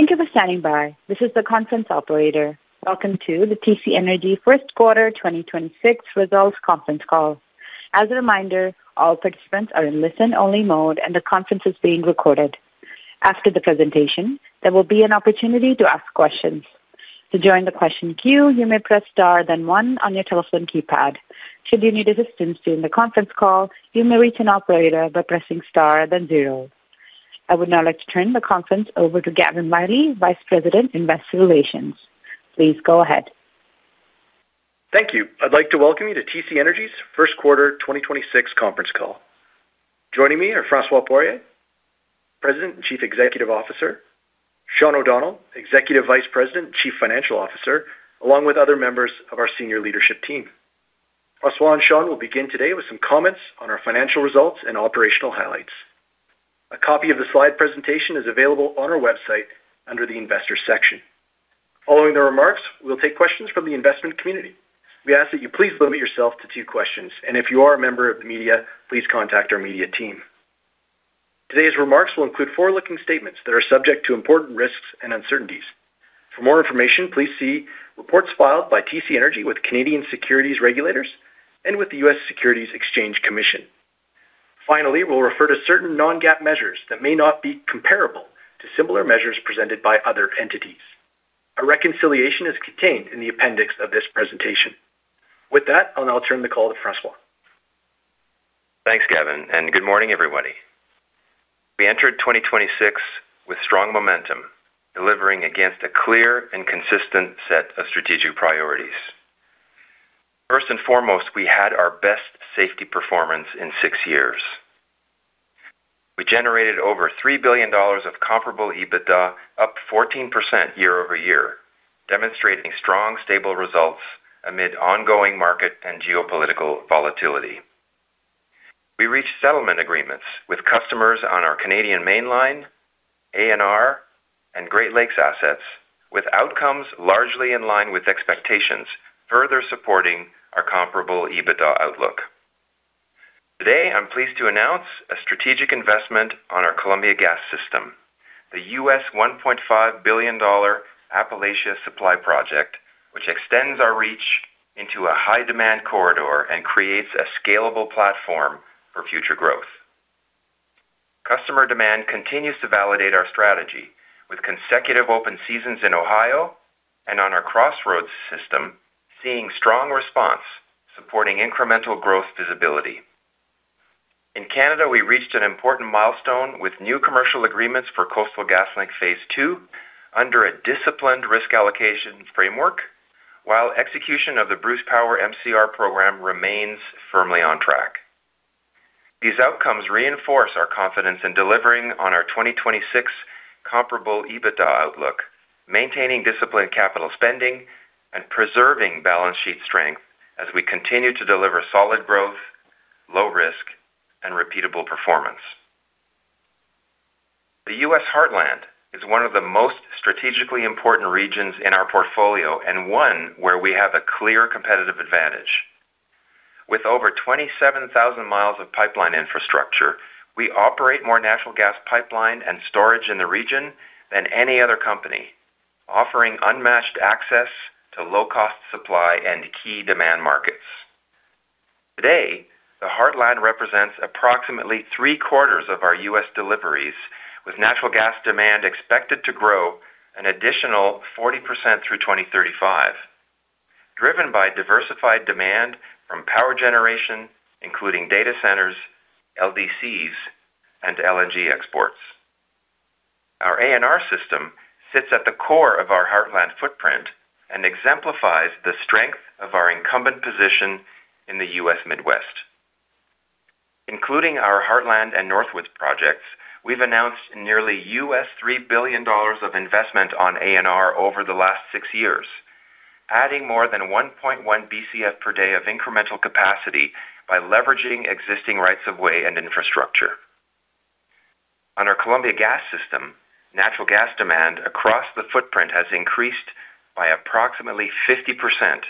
Thank you for standing by. This is the conference operator. Welcome to the TC Energy first quarter 2026 results conference call. As a reminder, all participants are in listen-only mode, and the conference is being recorded. After the presentation, there will be an opportunity to ask questions. To join the question queue, you may press star then one on your telephone keypad. Should you need assistance during the conference call, you may reach an operator by pressing star then zero. I would now like to turn the conference over to Gavin Wylie, Vice President, Investor Relations. Please go ahead. Thank you. I'd like to welcome you to TC Energy's first quarter 2026 conference call. Joining me are François Poirier, President and Chief Executive Officer, Sean O'Donnell, Executive Vice President and Chief Financial Officer, along with other members of our senior leadership team. François and Sean will begin today with some comments on our financial results and operational highlights. A copy of the slide presentation is available on our website under the Investor section. Following the remarks, we'll take questions from the investment community. We ask that you please limit yourself to two questions, and if you are a member of the media, please contact our media team. Today's remarks will include forward-looking statements that are subject to important risks and uncertainties. For more information, please see reports filed by TC Energy with Canadian securities regulators and with the U.S. Securities and Exchange Commission. Finally, we'll refer to certain non-GAAP measures that may not be comparable to similar measures presented by other entities. A reconciliation is contained in the appendix of this presentation. With that, I'll now turn the call to François. Thanks, Gavin, and good morning, everybody. We entered 2026 with strong momentum, delivering against a clear and consistent set of strategic priorities. First and foremost, we had our best safety performance in six years. We generated over 3 billion dollars of comparable EBITDA, up 14% year-over-year, demonstrating strong, stable results amid ongoing market and geopolitical volatility. We reached settlement agreements with customers on our Canadian Mainline, ANR, and Great Lakes assets, with outcomes largely in line with expectations, further supporting our comparable EBITDA outlook. Today, I'm pleased to announce a strategic investment on our Columbia Gas system, the $1.5 billion Appalachia Supply Project, which extends our reach into a high-demand corridor and creates a scalable platform for future growth. Customer demand continues to validate our strategy with consecutive open seasons in Ohio and on our Crossroads system, seeing strong response supporting incremental growth visibility. In Canada, we reached an important milestone with new commercial agreements for Coastal GasLink phase II under a disciplined risk allocation framework, while execution of the Bruce Power MCR program remains firmly on track. These outcomes reinforce our confidence in delivering on our 2026 comparable EBITDA outlook, maintaining disciplined capital spending and preserving balance sheet strength as we continue to deliver solid growth, low risk, and repeatable performance. The U.S. Heartland is one of the most strategically important regions in our portfolio and one where we have a clear competitive advantage. With over 27,000 mi of pipeline infrastructure, we operate more natural gas pipeline and storage in the region than any other company, offering unmatched access to low-cost supply and key demand markets. Today, the Heartland represents approximately 3/4 of our U.S. deliveries, with natural gas demand expected to grow an additional 40% through 2035, driven by diversified demand from power generation, including data centers, LDCs, and LNG exports. Our ANR system sits at the core of our Heartland footprint and exemplifies the strength of our incumbent position in the U.S. Midwest. Including our Heartland and Northwoods Project, we've announced nearly $3 billion of investment on ANR over the last six years, adding more than 1.1 Bcf per day of incremental capacity by leveraging existing rights of way and infrastructure. On our Columbia Gas system, natural gas demand across the footprint has increased by approximately 50%,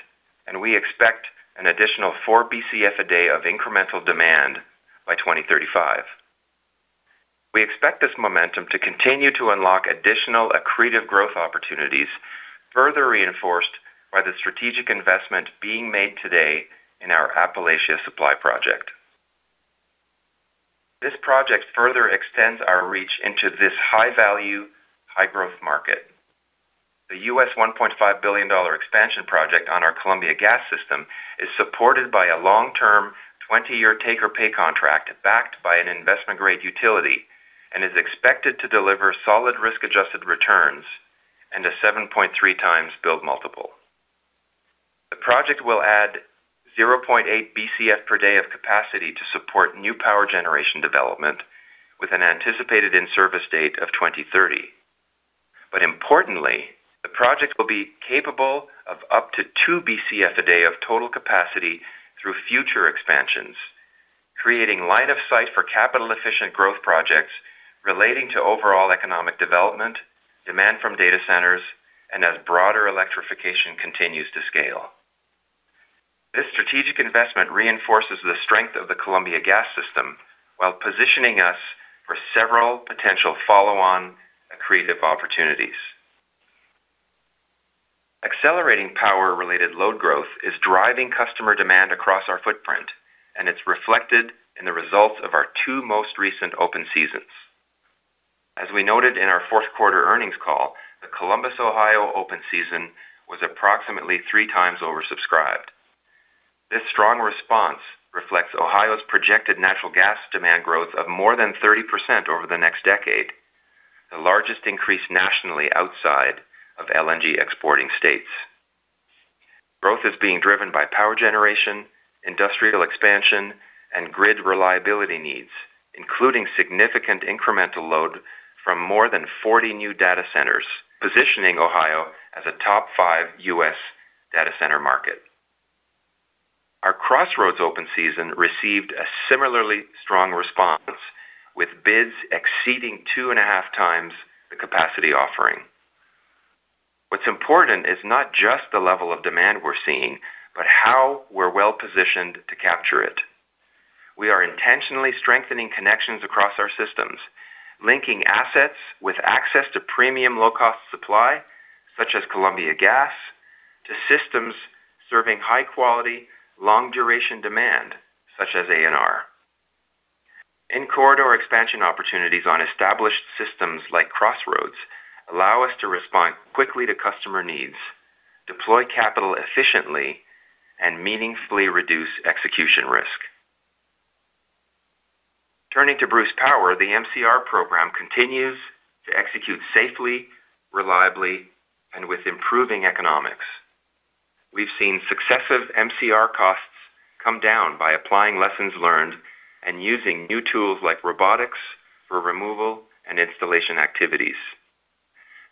and we expect an additional 4 Bcf a day of incremental demand by 2035. We expect this momentum to continue to unlock additional accretive growth opportunities, further reinforced by the strategic investment being made today in our Appalachia Supply Project. This project further extends our reach into this high-value, high-growth market. The $1.5 billion expansion project on our Columbia Gas system is supported by a long-term 20-year take-or-pay contract backed by an investment-grade utility and is expected to deliver solid risk-adjusted returns and a 7.3x build multiple. The project will add 0.8 Bcf per day of capacity to support new power generation development with an anticipated in-service date of 2030. Importantly, the project will be capable of up to 2 Bcf a day of total capacity through future expansions, creating line of sight for capital-efficient growth projects relating to overall economic development, demand from data centers, and as broader electrification continues to scale. Investment reinforces the strength of the Columbia Gas system while positioning us for several potential follow-on accretive opportunities. Accelerating power-related load growth is driving customer demand across our footprint, and it's reflected in the results of our two most recent open seasons. As we noted in our fourth quarter earnings call, the Columbus, Ohio open season was approximately 3x oversubscribed. This strong response reflects Ohio's projected natural gas demand growth of more than 30% over the next decade, the largest increase nationally outside of LNG exporting states. Growth is being driven by power generation, industrial expansion, and grid reliability needs, including significant incremental load from more than 40 new data centers, positioning Ohio as a top five U.S. data center market. Our Crossroads open season received a similarly strong response, with bids exceeding 2.5x the capacity offering. What's important is not just the level of demand we're seeing, but how we're well-positioned to capture it. We are intentionally strengthening connections across our systems, linking assets with access to premium low-cost supply, such as Columbia Gas, to systems serving high-quality, long-duration demand such as ANR. In-corridor expansion opportunities on established systems like Crossroads allow us to respond quickly to customer needs, deploy capital efficiently, and meaningfully reduce execution risk. Turning to Bruce Power, the MCR Program continues to execute safely, reliably, and with improving economics. We've seen successive MCR costs come down by applying lessons learned and using new tools like robotics for removal and installation activities.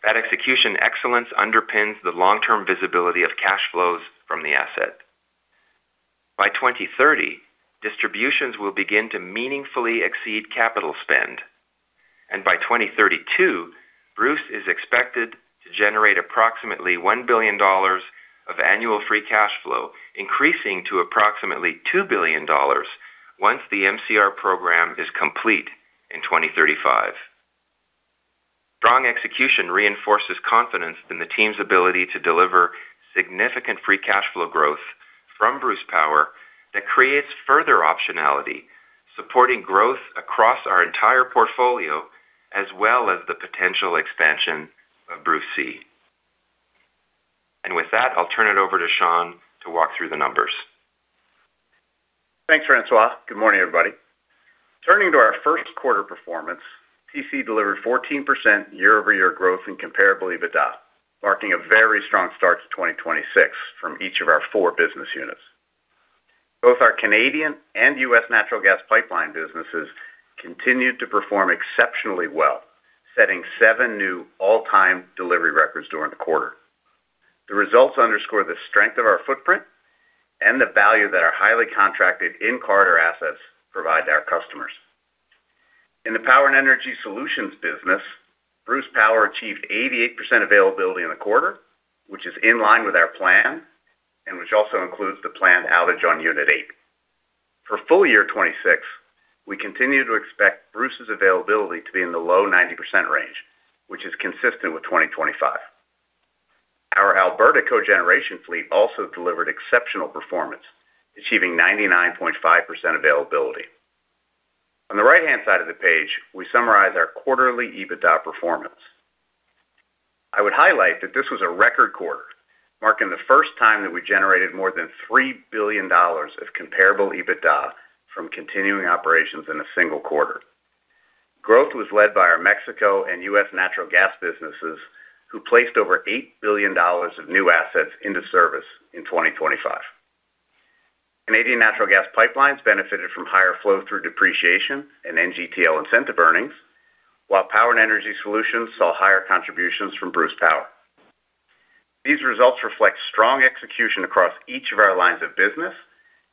That execution excellence underpins the long-term visibility of cash flows from the asset. By 2030, distributions will begin to meaningfully exceed capital spend. By 2032, Bruce is expected to generate approximately 1 billion dollars of annual free cash flow, increasing to approximately 2 billion dollars once the MCR program is complete in 2035. Strong execution reinforces confidence in the team's ability to deliver significant free cash flow growth from Bruce Power that creates further optionality, supporting growth across our entire portfolio as well as the potential expansion of Bruce C. With that, I'll turn it over to Sean to walk through the numbers. Thanks, François. Good morning, everybody. Turning to our first quarter performance, TC delivered 14% year-over-year growth in comparable EBITDA, marking a very strong start to 2026 from each of our four business units. Both our Canadian and U.S. natural gas pipeline businesses continued to perform exceptionally well, setting seven new all-time delivery records during the quarter. The results underscore the strength of our footprint and the value that our highly contracted in-corridor assets provide to our customers. In the Power and Energy Solutions business, Bruce Power achieved 88% availability in the quarter, which is in line with our plan and which also includes the planned outage on Unit 8. For full year 2026, we continue to expect Bruce's availability to be in the low 90% range, which is consistent with 2025. Our Alberta cogeneration fleet also delivered exceptional performance, achieving 99.5% availability. On the right-hand side of the page, we summarize our quarterly EBITDA performance. I would highlight that this was a record quarter, marking the first time that we generated more than 3 billion dollars of comparable EBITDA from continuing operations in a single quarter. Growth was led by our Mexico and U.S. natural gas businesses, who placed over 8 billion dollars of new assets into service in 2025. Canadian natural gas pipelines benefited from higher flow-through depreciation and NGTL incentive earnings, while Power and Energy Solutions saw higher contributions from Bruce Power. These results reflect strong execution across each of our lines of business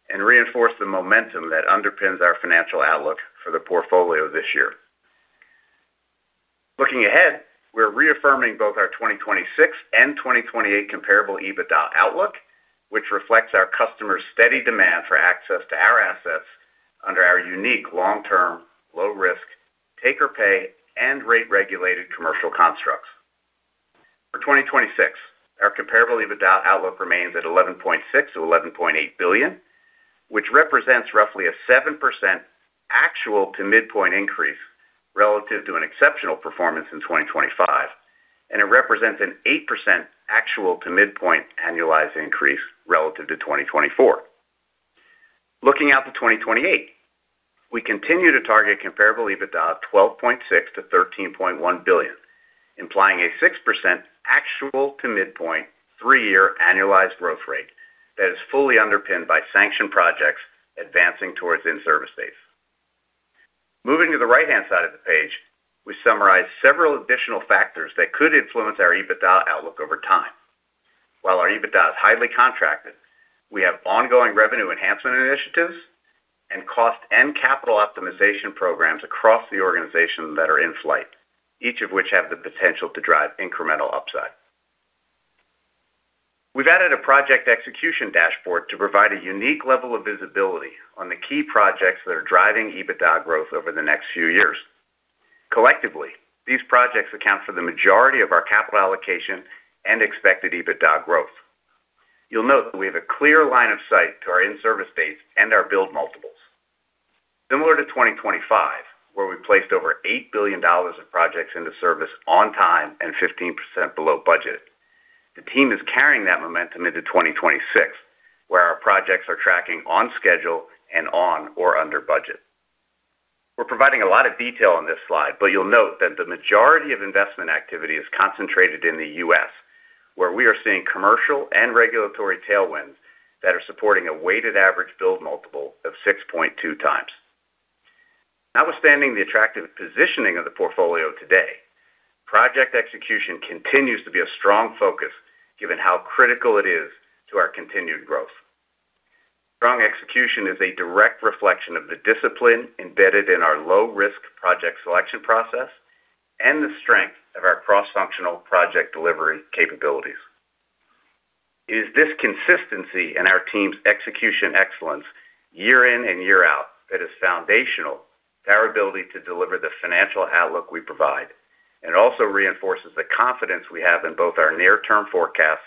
and reinforce the momentum that underpins our financial outlook for the portfolio this year. Looking ahead, we're reaffirming both our 2026 and 2028 comparable EBITDA outlook, which reflects our customers' steady demand for access to our assets under our unique long-term, low-risk, take-or-pay, and rate-regulated commercial constructs. For 2026, our comparable EBITDA outlook remains at 11.6 billion-11.8 billion, which represents roughly a 7% actual to midpoint increase relative to an exceptional performance in 2025. It represents an 8% actual to midpoint annualized increase relative to 2024. Looking out to 2028, we continue to target comparable EBITDA of 12.6 billion-13.1 billion, implying a 6% actual to midpoint three-year annualized growth rate that is fully underpinned by sanctioned projects advancing towards in-service dates. Moving to the right-hand side of the page, we summarize several additional factors that could influence our EBITDA outlook over time. While our EBITDA is highly contracted, we have ongoing revenue enhancement initiatives. Capital optimization programs across the organization that are in flight, each of which have the potential to drive incremental upside. We've added a project execution dashboard to provide a unique level of visibility on the key projects that are driving EBITDA growth over the next few years. Collectively, these projects account for the majority of our capital allocation and expected EBITDA growth. You'll note that we have a clear line of sight to our in-service base and our build multiples. Similar to 2025, where we placed over 8 billion dollars of projects into service on time and 15% below budget. The team is carrying that momentum into 2026, where our projects are tracking on schedule and on or under budget. We're providing a lot of detail on this slide, but you'll note that the majority of investment activity is concentrated in the U.S., where we are seeing commercial and regulatory tailwinds that are supporting a weighted average build multiple of 6.2x. Notwithstanding the attractive positioning of the portfolio today, project execution continues to be a strong focus given how critical it is to our continued growth. Strong execution is a direct reflection of the discipline embedded in our low-risk project selection process and the strength of our cross-functional project delivery capabilities. It is this consistency in our team's execution excellence year in and year out that is foundational to our ability to deliver the financial outlook we provide, and it also reinforces the confidence we have in both our near-term forecasts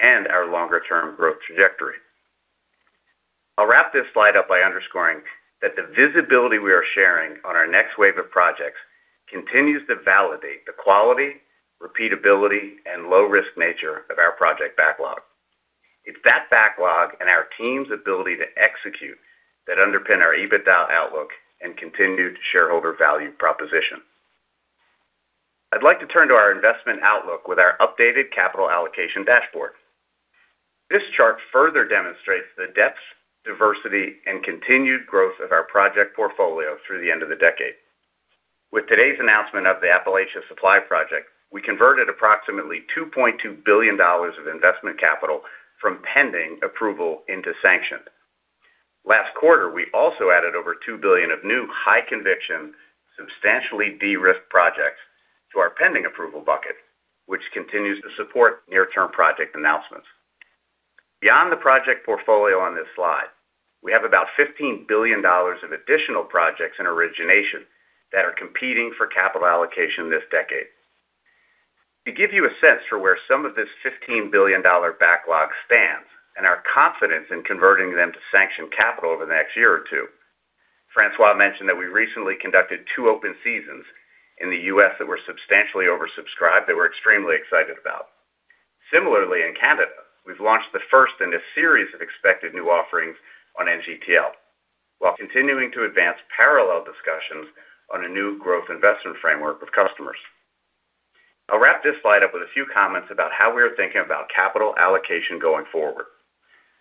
and our longer-term growth trajectory. I'll wrap this slide up by underscoring that the visibility we are sharing on our next wave of projects continues to validate the quality, repeatability, and low-risk nature of our project backlog. It's that backlog and our team's ability to execute that underpin our EBITDA outlook and continued shareholder value proposition. I'd like to turn to our investment outlook with our updated capital allocation dashboard. This chart further demonstrates the depth, diversity, and continued growth of our project portfolio through the end of the decade. With today's announcement of the Appalachia Supply Project, we converted approximately 2.2 billion dollars of investment capital from pending approval into sanction. Last quarter, we also added over 2 billion of new high-conviction, substantially de-risked projects to our pending approval bucket, which continues to support near-term project announcements. Beyond the project portfolio on this slide, we have about 15 billion dollars of additional projects in origination that are competing for capital allocation this decade. To give you a sense for where some of this 15 billion dollar backlog stands and our confidence in converting them to sanctioned capital over the next year or two, François mentioned that we recently conducted two open seasons in the U.S. that were substantially oversubscribed that we're extremely excited about. Similarly, in Canada, we've launched the first in a series of expected new offerings on NGTL, while continuing to advance parallel discussions on a new growth investment framework with customers. I'll wrap this slide up with a few comments about how we are thinking about capital allocation going forward.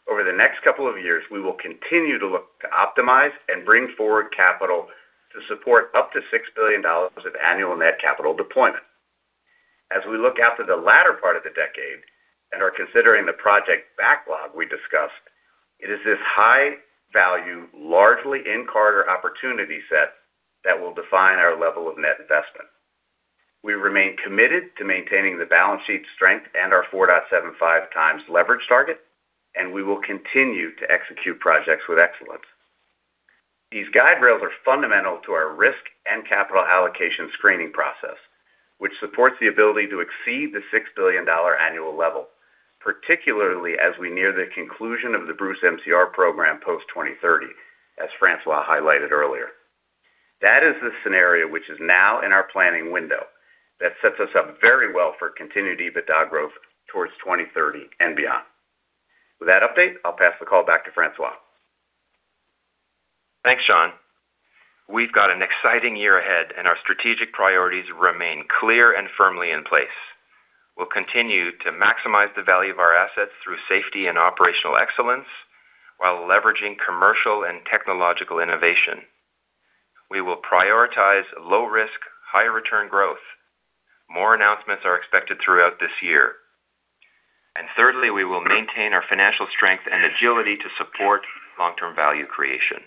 Over the next couple of years, we will continue to look to optimize and bring forward capital to support up to 6 billion dollars of annual net capital deployment. As we look out to the latter part of the decade and are considering the project backlog we discussed, it is this high-value, largely in-corridor opportunity set that will define our level of net investment. We remain committed to maintaining the balance sheet strength and our 4.75x leverage target. We will continue to execute projects with excellence. These guide rails are fundamental to our risk and capital allocation screening process, which supports the ability to exceed the 6 billion dollar annual level, particularly as we near the conclusion of the Bruce MCR program post 2030, as François highlighted earlier. That is the scenario which is now in our planning window that sets us up very well for continued EBITDA growth towards 2030 and beyond. With that update, I'll pass the call back to François. Thanks, Sean. We've got an exciting year ahead, and our strategic priorities remain clear and firmly in place. We'll continue to maximize the value of our assets through safety and operational excellence while leveraging commercial and technological innovation. We will prioritize low-risk, high-return growth. More announcements are expected throughout this year. Thirdly, we will maintain our financial strength and agility to support long-term value creation.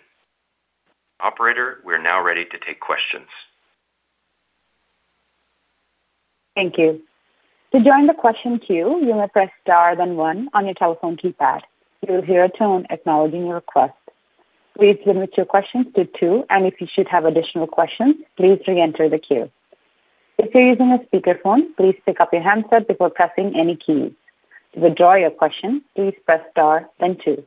Operator, we are now ready to take questions. Thank you. To join the question queue, you may press star, then one on your telephone keypad. You will hear a tone acknowledging your request. Please limit your questions to two, and if you should have additional questions, please re-enter the queue. If you're using a speakerphone, please pick up your handset before pressing any keys. To withdraw your question, please press star then two.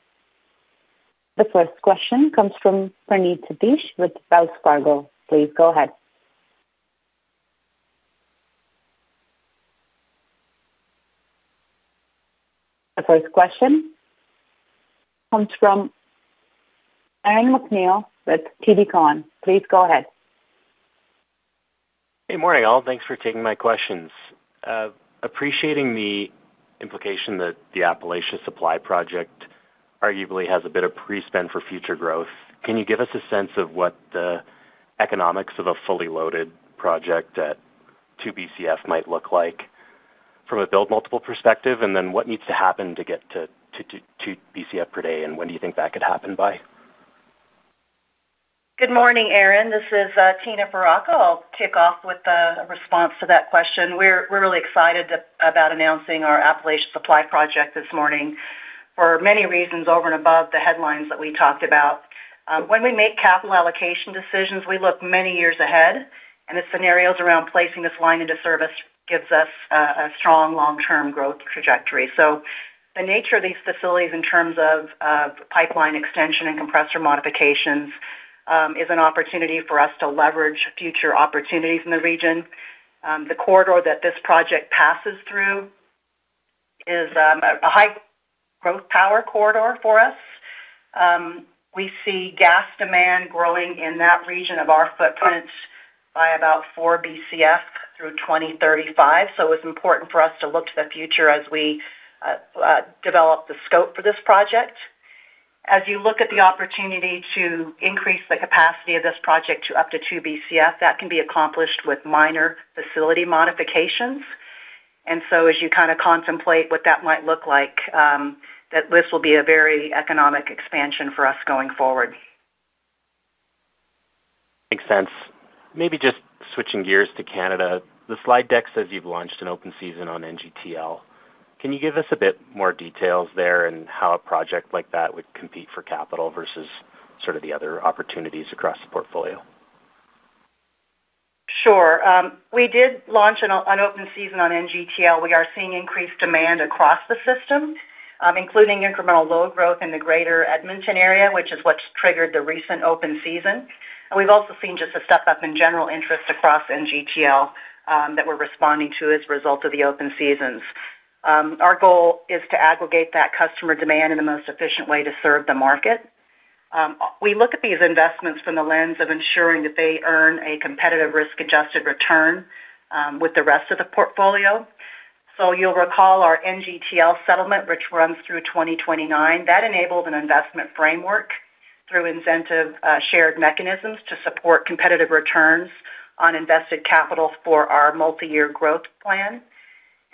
The first question comes from Praneeth Satish with Wells Fargo. Please go ahead. The first question comes from Aaron MacNeil with TD Cowen. Please go ahead. Hey, morning all. Thanks for taking my questions. Appreciating the implication that the Appalachia Supply Project arguably has a bit of pre-spend for future growth, can you give us a sense of what the economics of a fully loaded project at 2 Bcf might look like? From a build multiple perspective, and then what needs to happen to get to 2 Bcf per day, and when do you think that could happen by? Good morning, Aaron. This is Tina Faraca. I'll kick off with the response to that question. We're really excited about announcing our Appalachia Supply Project this morning for many reasons over and above the headlines that we talked about. When we make capital allocation decisions, we look many years ahead, and the scenarios around placing this line into service gives us a strong long-term growth trajectory. The nature of these facilities in terms of pipeline extension and compressor modifications is an opportunity for us to leverage future opportunities in the region. The corridor that this project passes through is a high growth power corridor for us. We see gas demand growing in that region of our footprint by about 4 Bcf through 2035. It's important for us to look to the future as we develop the scope for this project. As you look at the opportunity to increase the capacity of this project to up to 2 Bcf, that can be accomplished with minor facility modifications. As you kind of contemplate what that might look like, that this will be a very economic expansion for us going forward. Makes sense. Maybe just switching gears to Canada. The slide deck says you've launched an open season on NGTL. Can you give us a bit more details there and how a project like that would compete for capital versus sort of the other opportunities across the portfolio? Sure. We did launch an open season on NGTL. We are seeing increased demand across the system, including incremental load growth in the greater Edmonton area, which is what's triggered the recent open season. We've also seen just a step up in general interest across NGTL, that we're responding to as a result of the open seasons. Our goal is to aggregate that customer demand in the most efficient way to serve the market. We look at these investments from the lens of ensuring that they earn a competitive risk-adjusted return, with the rest of the portfolio. You'll recall our NGTL settlement, which runs through 2029. That enabled an investment framework through incentive, shared mechanisms to support competitive returns on invested capital for our Multi-Year Growth Plan.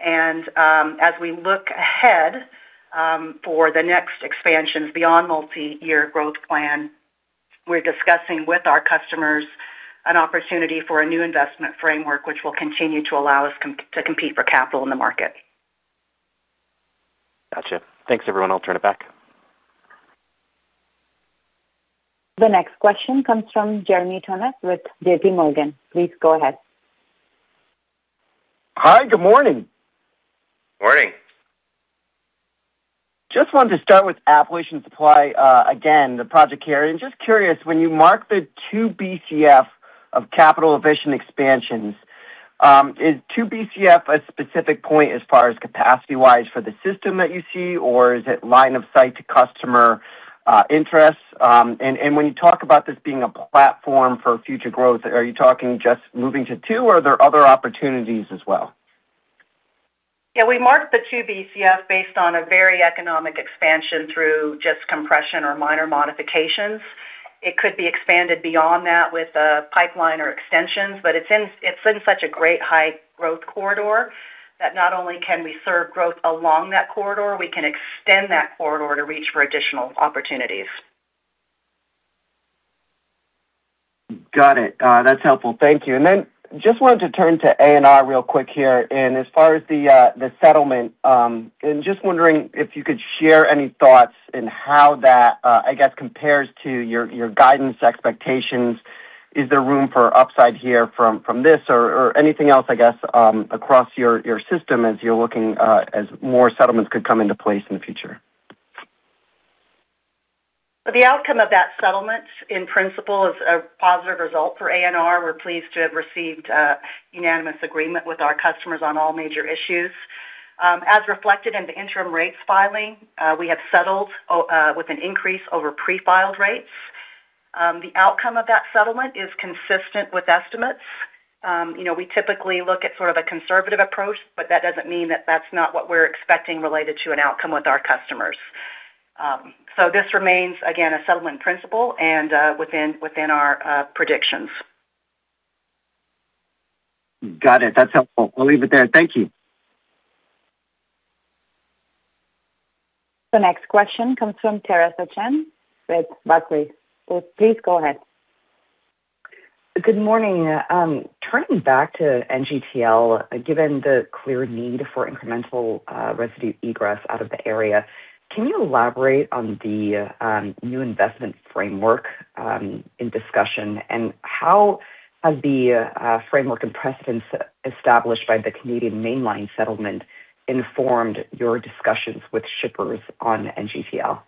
As we look ahead, for the next expansions beyond Multi-Year Growth Plan, we're discussing with our customers an opportunity for a new investment framework, which will continue to allow us to compete for capital in the market. Gotcha. Thanks, everyone. I'll turn it back. The next question comes from Jeremy Tonet with JPMorgan. Please go ahead. Hi, good morning. Morning. Just wanted to start with Appalachia Supply, again, the project here. Just curious, when you mark the 2 Bcf of capital efficient expansions, is 2 Bcf a specific point as far as capacity-wise for the system that you see, or is it line of sight to customer, interests? When you talk about this being a platform for future growth, are you talking just moving to 2 Bcf, or are there other opportunities as well? Yeah. We marked the 2 Bcf based on a very economic expansion through just compression or minor modifications. It could be expanded beyond that with pipeline or extensions, but it's in such a great high growth corridor that not only can we serve growth along that corridor, we can extend that corridor to reach for additional opportunities. Got it. That's helpful. Thank you. Just wanted to turn to ANR real quick here. As far as the settlement, and just wondering if you could share any thoughts in how that, I guess compares to your guidance expectations. Is there room for upside here from this or anything else, I guess, across your system as you're looking as more settlements could come into place in the future? The outcome of that settlement in principle is a positive result for ANR. We're pleased to have received unanimous agreement with our customers on all major issues. As reflected in the interim rates filing, we have settled with an increase over pre-filed rates. The outcome of that settlement is consistent with estimates. You know, we typically look at sort of a conservative approach, but that doesn't mean that that's not what we're expecting related to an outcome with our customers. This remains, again, a settlement principle and within our predictions. Got it. That's helpful. We'll leave it there. Thank you. The next question comes from Theresa Chen with Barclays. Please go ahead. Good morning. Turning back to NGTL, given the clear need for incremental residue egress out of the area, can you elaborate on the new investment framework in discussion? How has the framework and precedence established by the Canadian Mainline settlement informed your discussions with shippers on NGTL?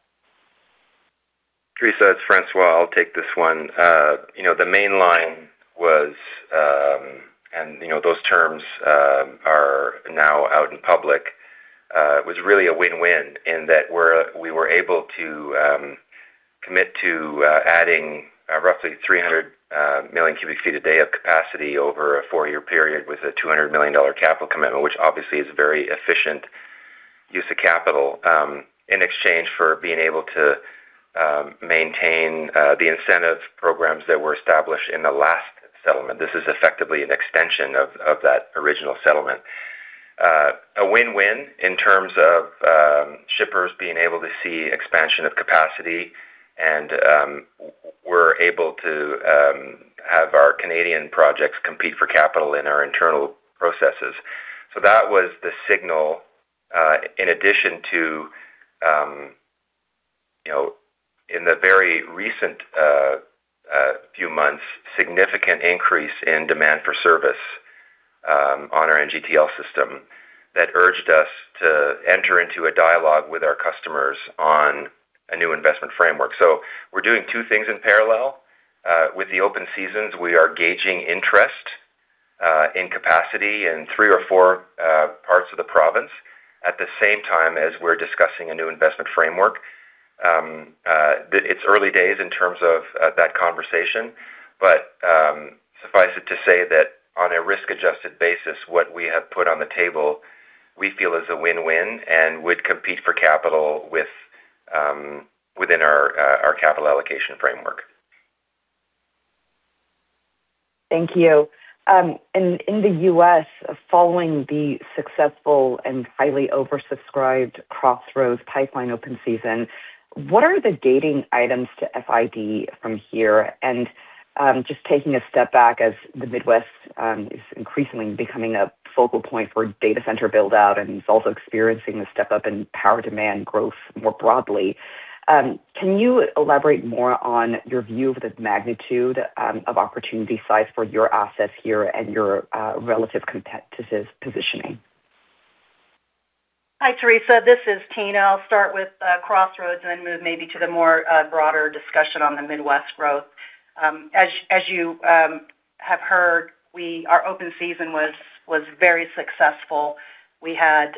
Theresa, it's François. I'll take this one. You know, the Canadian Mainline was, and, you know, those terms are now out in public. It was really a win-win in that we were able to commit to adding roughly 300,000,000 cu ft a day of capacity over a four-year period with a 200 million dollar capital commitment, which obviously is very efficient use of capital in exchange for being able to maintain the incentive programs that were established in the last settlement. This is effectively an extension of that original settlement. A win-win in terms of shippers being able to see expansion of capacity and we're able to have our Canadian projects compete for capital in our internal processes. That was the signal, in addition to, you know, in the very recent few months, significant increase in demand for service on our NGTL system that urged us to enter into a dialogue with our customers on a new investment framework. We're doing two things in parallel. With the open seasons, we are gauging interest in capacity in three or four parts of the province at the same time as we're discussing a new investment framework. It's early days in terms of that conversation, but suffice it to say that on a risk-adjusted basis, what we have put on the table, we feel is a win-win and would compete for capital with within our capital allocation framework. Thank you. In the U.S., following the successful and highly oversubscribed Crossroads Pipeline open season, what are the gating items to FID from here? Just taking a step back as the Midwest is increasingly becoming a focal point for data center build-out and is also experiencing a step-up in power demand growth more broadly, can you elaborate more on your view of the magnitude of opportunity size for your assets here and your relative competitive positioning? Hi, Theresa. This is Tina. I'll start with Crossroads and then move maybe to the more broader discussion on the Midwest growth. As you have heard, our open season was very successful. We had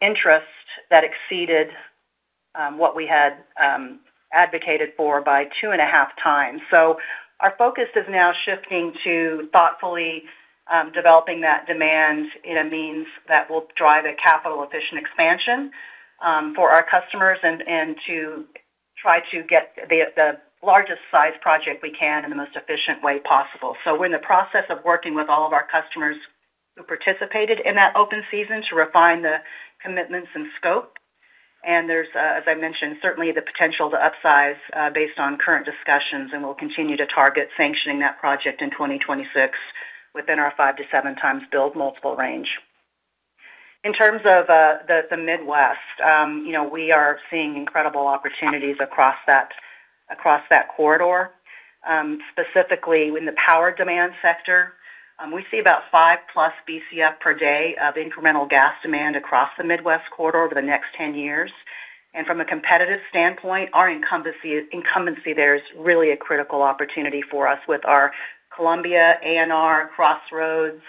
interest that exceeded what we had advocated for by 2.5x. Our focus is now shifting to thoughtfully developing that demand in a means that will drive a capital-efficient expansion for our customers and to try to get the largest size project we can in the most efficient way possible. We're in the process of working with all of our customers who participated in that open season to refine the commitments and scope. There's, as I mentioned, certainly the potential to upsize, based on current discussions, and we'll continue to target sanctioning that project in 2026 within our 5x-7x build multiple range. In terms of the Midwest, you know, we are seeing incredible opportunities across that corridor. Specifically in the Power and Energy Solutions sector, we see about 5+ Bcf per day of incremental gas demand across the Midwest corridor over the next 10 years. From a competitive standpoint, our incumbency there is really a critical opportunity for us with our Columbia, ANR, Crossroads,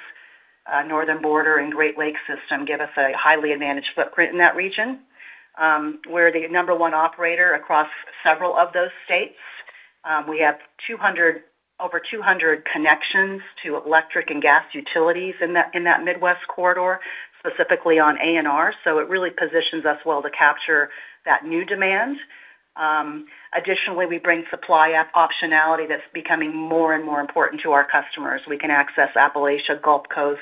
Northern Border, and Great Lakes system give us a highly advantaged footprint in that region. We're the number one operator across several of those states. We have over 200 connections to electric and gas utilities in that, in that Midwest corridor, specifically on ANR. It really positions us well to capture that new demand. Additionally, we bring supply optionality that's becoming more and more important to our customers. We can access Appalachia, Gulf Coast,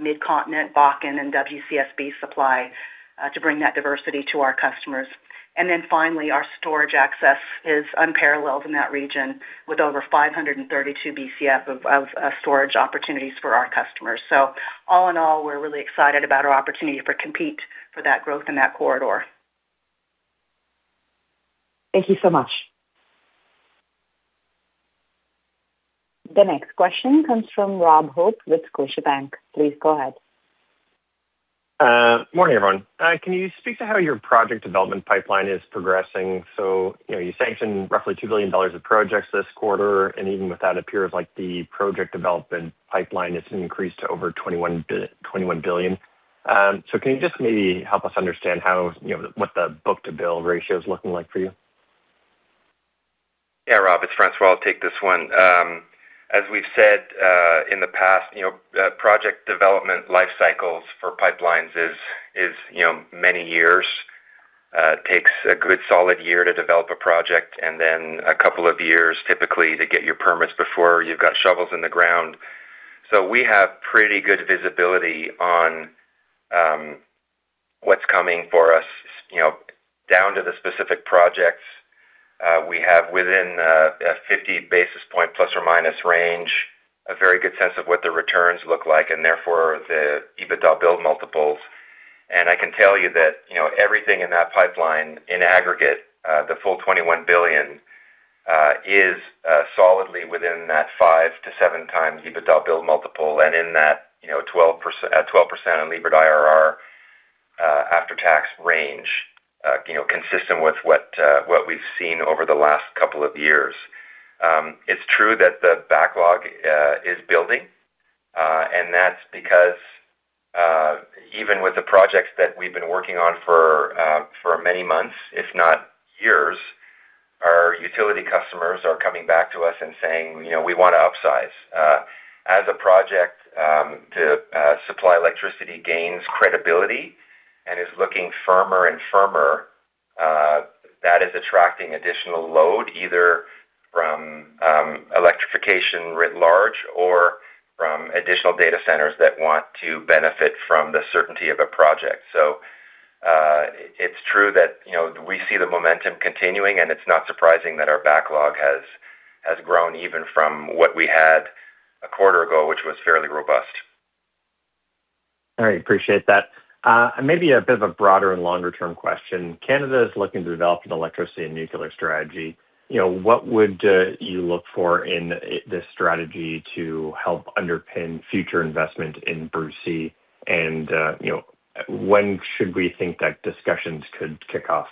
Midcontinent, Bakken, and WCSB supply to bring that diversity to our customers. Finally, our storage access is unparalleled in that region with over 532 Bcf of storage opportunities for our customers. All in all, we're really excited about our opportunity to compete for that growth in that corridor. Thank you so much. The next question comes from Rob Hope with Scotiabank. Please go ahead. Morning, everyone. Can you speak to how your project development pipeline is progressing? You know, you sanctioned roughly 2 billion dollars of projects this quarter, and even with that, it appears like the project development pipeline has increased to over 21 billion. Can you just maybe help us understand how, you know, what the book-to-bill ratio is looking like for you? Yeah, Rob, it's François I'll take this one. As we've said, in the past, you know, project development life cycles for pipelines is, you know, many years. It takes a good solid year to develop a project and then a couple of years typically to get your permits before you've got shovels in the ground. We have pretty good visibility on what's coming for us, you know, down to the specific projects. We have within a ±50 basis point range, a very good sense of what the returns look like, and therefore, the EBITDA build multiples. I can tell you that, you know, everything in that pipeline in aggregate, the full 21 billion, is solidly within that 5x-7x EBITDA build multiple and in that, you know, 12% on levered IRR, after tax range, you know, consistent with what we've seen over the last couple of years. It's true that the backlog is building, and that's because even with the projects that we've been working on for many months, if not years. Utility customers are coming back to us and saying, you know, we want to upsize. As a project to supply electricity gains credibility and is looking firmer and firmer, that is attracting additional load, either from electrification writ large or from additional data centers that want to benefit from the certainty of a project. It's true that, you know, we see the momentum continuing, and it's not surprising that our backlog has grown even from what we had a quarter ago, which was fairly robust. All right, appreciate that. Maybe a bit of a broader and longer-term question. Canada is looking to develop an electricity and nuclear strategy. You know, what would you look for in this strategy to help underpin future investment in Bruce C? You know, when should we think that discussions could kick off?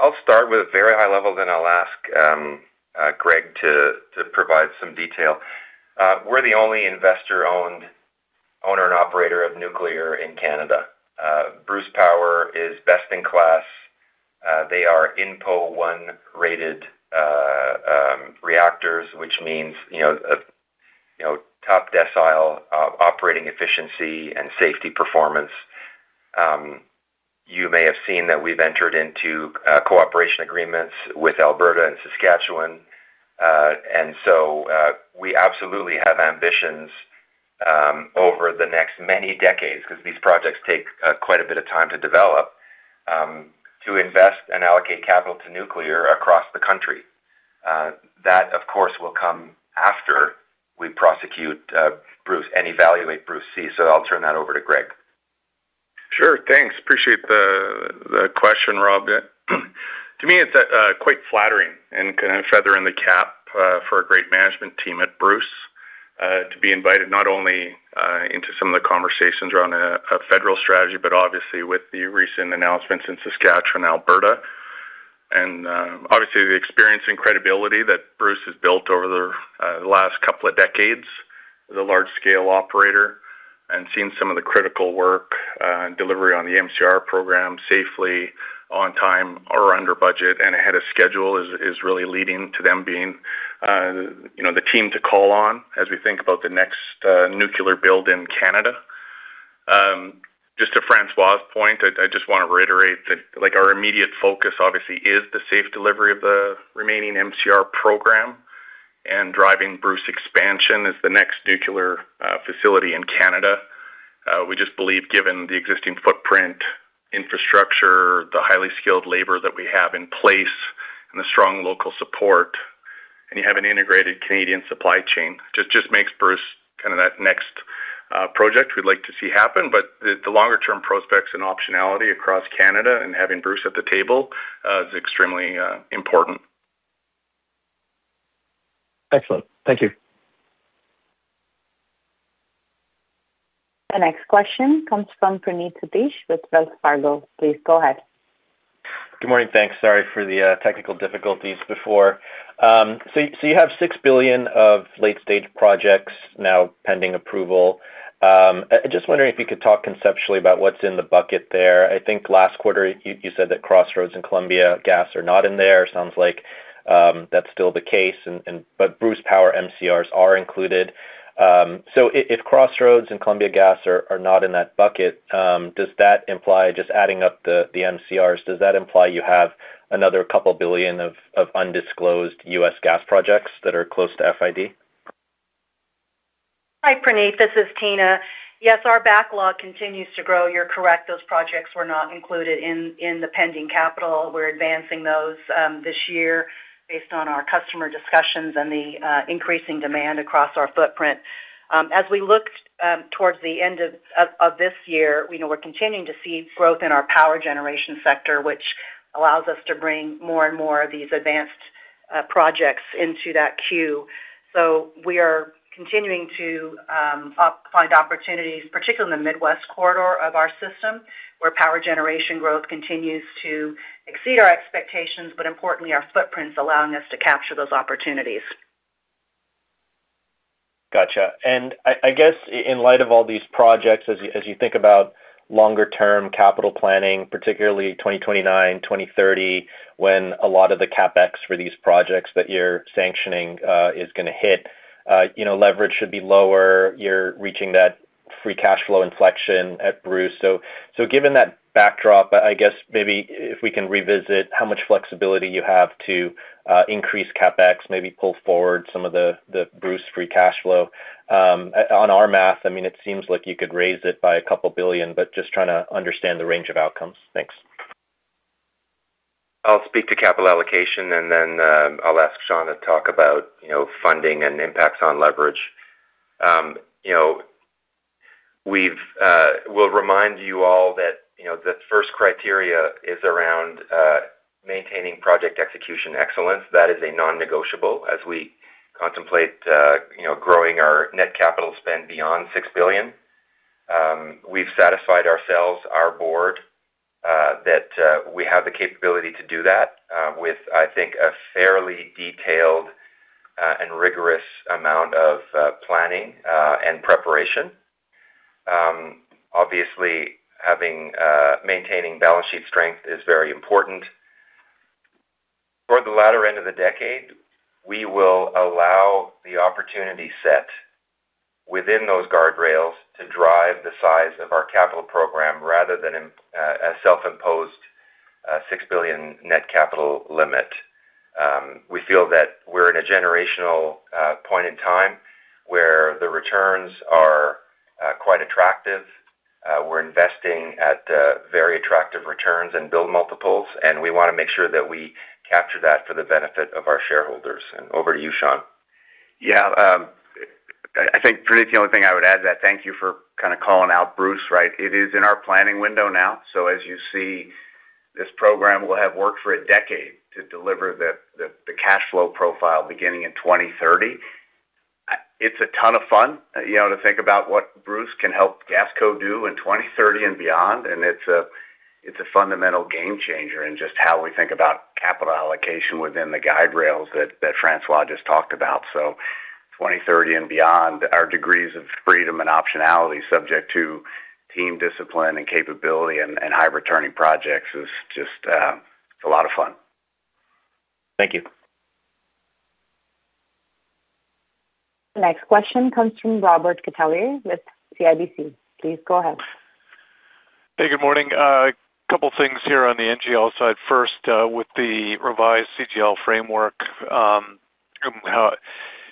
I'll start with very high level, then I'll ask Greg to provide some detail. We're the only investor-owned owner and operator of nuclear in Canada. Bruce Power is best in class. They are INPO 1-rated reactors, which means, you know, top decile operating efficiency and safety performance. You may have seen that we've entered into cooperation agreements with Alberta and Saskatchewan. We absolutely have ambitions over the next many decades, 'cause these projects take quite a bit of time to develop, to invest and allocate capital to nuclear across the country. That, of course, will come after we prosecute Bruce and evaluate Bruce C. I'll turn that over to Greg. Sure. Thanks. Appreciate the question, Rob. To me, it's quite flattering and kind of feather in the cap for a great management team at Bruce Power to be invited not only into some of the conversations around a federal strategy, but obviously with the recent announcements in Saskatchewan, Alberta. Obviously, the experience and credibility that Bruce Power has built over the two decades as a large scale operator and seen some of the critical work and delivery on the MCR program safely on time or under budget and ahead of schedule is really leading to them being, you know, the team to call on as we think about the next nuclear build in Canada. Just to François' point, I just want to reiterate that, like, our immediate focus obviously is the safe delivery of the remaining MCR program and driving Bruce expansion as the next nuclear facility in Canada. We just believe, given the existing footprint, infrastructure, the highly skilled labor that we have in place and the strong local support, and you have an integrated Canadian supply chain, just makes Bruce kind of that next project we'd like to see happen. The longer term prospects and optionality across Canada and having Bruce at the table is extremely important. Excellent. Thank you. The next question comes from Praneeth Satish with Wells Fargo. Please go ahead. Good morning. Thanks. Sorry for the technical difficulties before. You have 6 billion of late-stage projects now pending approval. Just wondering if you could talk conceptually about what's in the bucket there. I think last quarter you said that Crossroads and Columbia Gas are not in there. Sounds like that's still the case. Bruce Power MCRs are included. If Crossroads and Columbia Gas are not in that bucket, does that imply just adding up the MCRs, does that imply you have another 2 billion of undisclosed U.S. gas projects that are close to FID? Hi, Praneeth. This is Tina. Yes, our backlog continues to grow. You're correct, those projects were not included in the pending capital. We're advancing those this year based on our customer discussions and the increasing demand across our footprint. As we look towards the end of this year, we know we're continuing to see growth in our power generation sector, which allows us to bring more and more of these advanced projects into that queue. We are continuing to find opportunities, particularly in the Midwest corridor of our system, where power generation growth continues to exceed our expectations, but importantly, our footprint's allowing us to capture those opportunities. Gotcha. I guess in light of all these projects as you, as you think about longer term capital planning, particularly 2029, 2030, when a lot of the CapEx for these projects that you're sanctioning is gonna hit, you know, leverage should be lower. You're reaching that free cash flow inflection at Bruce. Given that backdrop, I guess maybe if we can revisit how much flexibility you have to increase CapEx, maybe pull forward some of the Bruce free cash flow. On our math, I mean, it seems like you could raise it by a couple billion, but just trying to understand the range of outcomes. Thanks. I'll speak to capital allocation. Then, I'll ask Sean to talk about, you know, funding and impacts on leverage. You know, we've, we'll remind you all that, you know, the first criteria is around maintaining project execution excellence. That is a non-negotiable as we contemplate, you know, growing our net capital spend beyond 6 billion. We've satisfied ourselves, our board, that we have the capability to do that with, I think, a fairly detailed and rigorous amount of planning and preparation. Obviously having maintaining balance sheet strength is very important. For the latter end of the decade, we will allow the opportunity set within those guardrails to drive the size of our capital program rather than a self-imposed 6 billion net capital limit. We feel that we're in a generational point in time where the returns are quite attractive. We're investing at very attractive returns and build multiples, and we wanna make sure that we capture that for the benefit of our shareholders. Over to you, Sean. Yeah. I think, Praneeth, the only thing I would add to that, thank you for kinda calling out Bruce, right? It is in our planning window now. As you see, this program will have worked for a decade to deliver the cash flow profile beginning in 2030. It's a ton of fun, you know, to think about what Bruce can help Gasco do in 2030 and beyond, and it's a fundamental game changer in just how we think about capital allocation within the guide rails that François just talked about. 2030 and beyond, our degrees of freedom and optionality subject to team discipline and capability and high returning projects is just, it's a lot of fun. Thank you. Next question comes from Robert Catellier with CIBC. Please go ahead. Hey, good morning. Couple things here on the NGL side. First, with the revised CGL framework,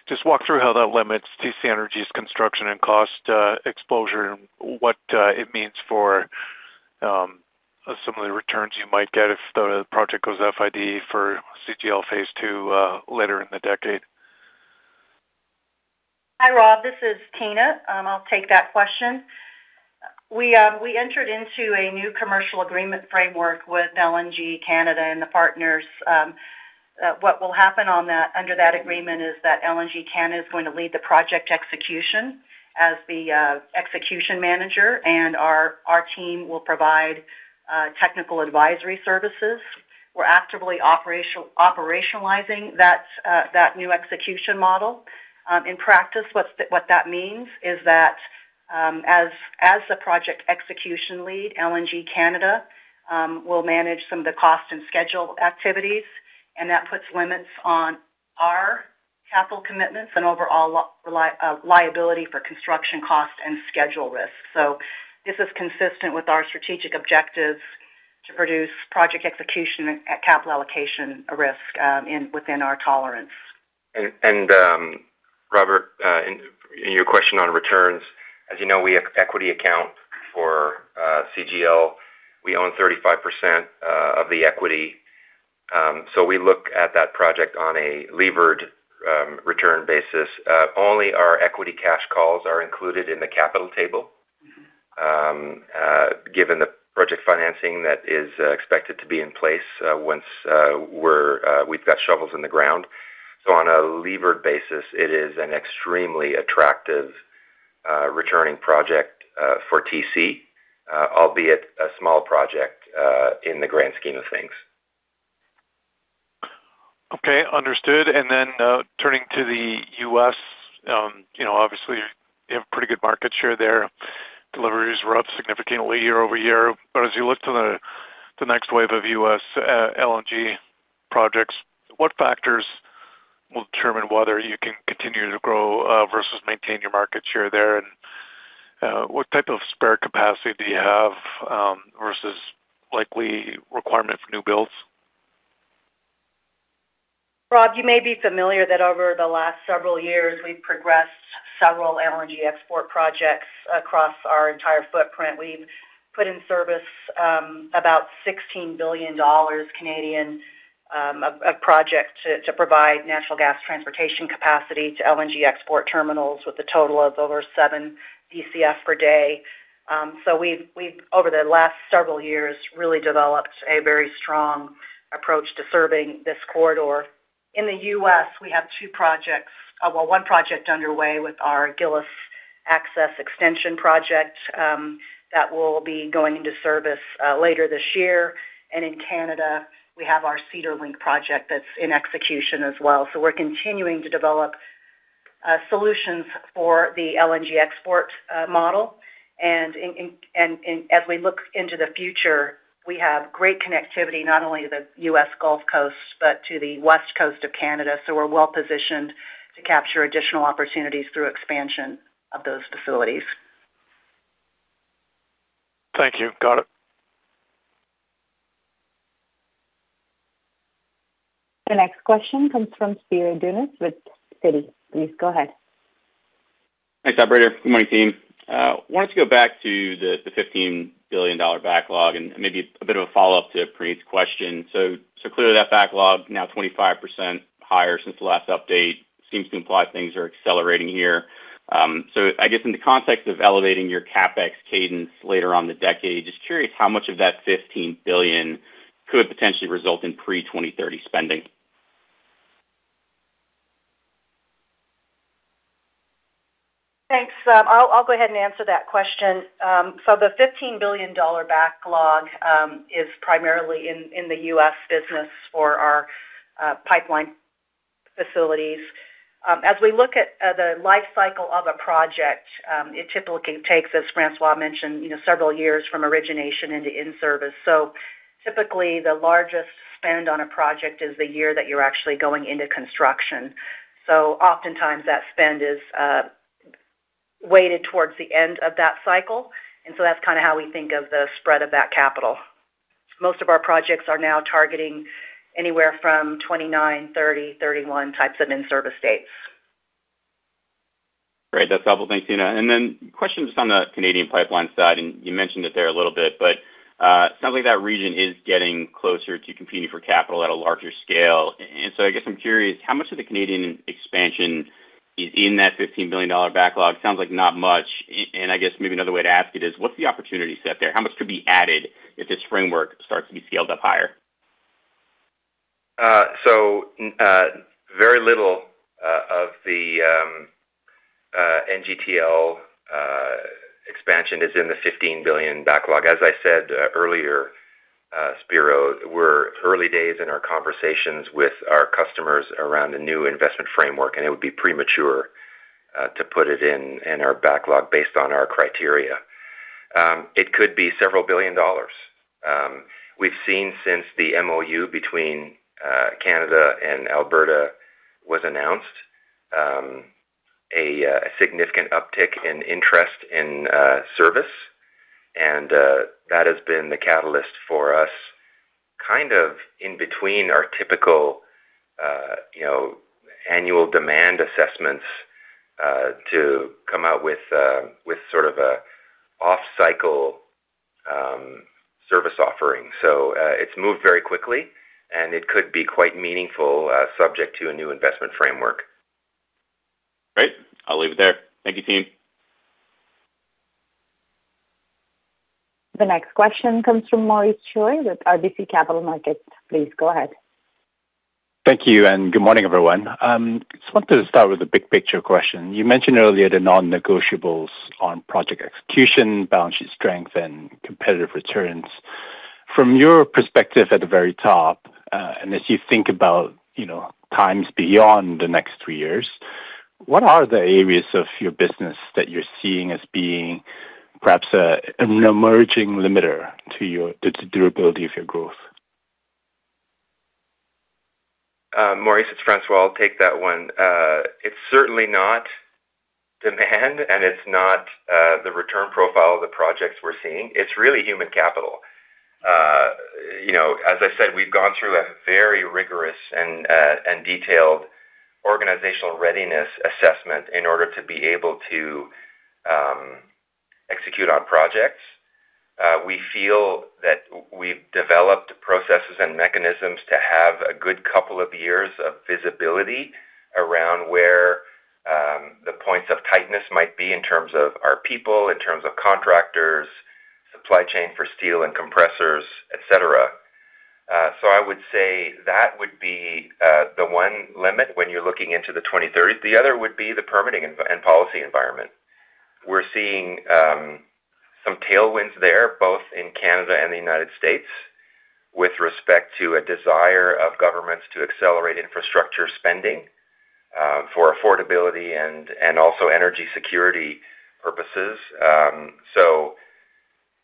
just walk through how that limits TC Energy's construction and cost exposure and what it means for some of the returns you might get if the project goes FID for CGL phase II later in the decade? Hi, Rob. This is Tina. I'll take that question. We entered into a new commercial agreement framework with LNG Canada and the partners. What will happen under that agreement is that LNG Canada is going to lead the project execution as the execution manager, and our team will provide technical advisory services. We're actively operationalizing that new execution model. In practice, what that means is that as the project execution lead, LNG Canada will manage some of the cost and schedule activities, and that puts limits on our capital commitments and overall liability for construction cost and schedule risk. This is consistent with our strategic objectives to reduce project execution and capital allocation risk within our tolerance. Robert, in your question on returns, as you know, we have equity account for CGL. We own 35% of the equity. We look at that project on a levered return basis. Only our equity cash calls are included in the capital table, given the project financing that is expected to be in place, once we've got shovels in the ground. On a levered basis, it is an extremely attractive returning project for TC, albeit a small project in the grand scheme of things. Okay. Understood. Turning to the U.S., you know, obviously you have pretty good market share there. Deliveries were up significantly year-over-year. As you look to the next wave of U.S. LNG projects, what factors will determine whether you can continue to grow versus maintain your market share there? What type of spare capacity do you have versus likely requirement for new builds? Rob, you may be familiar that over the last several years, we've progressed several LNG export projects across our entire footprint. We've put in service, about 16 billion Canadian dollars of project to provide natural gas transportation capacity to LNG export terminals with a total of over 7 Bcf per day. We've over the last several years really developed a very strong approach to serving this corridor. In the U.S., we have two projects. Well, one project underway with our Gillis Access Extension project, that will be going into service later this year. In Canada, we have our Cedar Link Project that's in execution as well. We're continuing to develop solutions for the LNG export model. As we look into the future, we have great connectivity, not only to the U.S. Gulf Coast, but to the West Coast of Canada, so we're well-positioned to capture additional opportunities through expansion of those facilities. Thank you. Got it. The next question comes from Spiro Dounis with Citi. Please go ahead. Thanks, operator. Good morning, team. Wanted to go back to the 15 billion dollar backlog and maybe a bit of a follow-up to Praneeth's question. Clearly that backlog now 25% higher since the last update seems to imply things are accelerating here. I guess in the context of elevating your CapEx cadence later on the decade, just curious how much of that 15 billion could potentially result in pre 2030 spending? Thanks. I'll go ahead and answer that question. The 15 billion dollar backlog is primarily in the U.S. business for our pipeline facilities. As we look at the life cycle of a project, it typically takes, as François mentioned, you know, several years from origination into in-service. Typically the largest spend on a project is the year that you're actually going into construction. Oftentimes that spend is weighted towards the end of that cycle, and so that's kinda how we think of the spread of that capital. Most of our projects are now targeting anywhere from 2029, 2030, 2031 types of in-service dates. Great. That's helpful. Thanks, Tina. Questions on the Canadian pipeline side, you mentioned it there a little bit, it sounds like that region is getting closer to competing for capital at a larger scale. I guess I'm curious, how much of the Canadian expansion is in that 15 billion dollar backlog? Sounds like not much. I guess maybe another way to ask it is, what's the opportunity set there? How much could be added if this framework starts to be scaled up higher? Very little of the NGTL expansion is in the 15 billion backlog. As I said earlier, Spiro, we're early days in our conversations with our customers around the new investment framework, and it would be premature to put it in our backlog based on our criteria. It could be several billion dollars. We've seen since the MOU between Canada and Alberta was announced, a significant uptick in interest in service and that has been the catalyst for us kind of in between our typical, you know, annual demand assessments, to come out with sort of a off-cycle service offering. It's moved very quickly, and it could be quite meaningful, subject to a new investment framework. Great. I'll leave it there. Thank you, team. The next question comes from Maurice Choy with RBC Capital Markets. Please go ahead. Thank you. Good morning, everyone. I just wanted to start with a big picture question. You mentioned earlier the non-negotiables on project execution, balance sheet strength, and competitive returns. From your perspective at the very top, and as you think about, you know, times beyond the next three years, what are the areas of your business that you're seeing as being perhaps an emerging limiter to the durability of your growth? Maurice, it's François. I'll take that one. It's certainly not demand, it's not the return profile of the projects we're seeing. It's really human capital. You know, as I said, we've gone through a very rigorous and detailed organizational readiness assessment in order to be able to execute on projects. We feel that we've developed processes and mechanisms to have a good couple of years of visibility around where the points of tightness might be in terms of our people, in terms of contractors, supply chain for steel and compressors, et cetera. I would say that would be the one limit when you're looking into the 2030. The other would be the permitting and policy environment. We're seeing some tailwinds there, both in Canada and the U.S., with respect to a desire of governments to accelerate infrastructure spending for affordability and also energy security purposes.